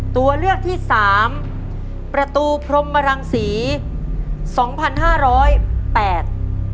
ตัวเลือกที่สามประตูพรมรังศรีสองพันห้าร้อยแปด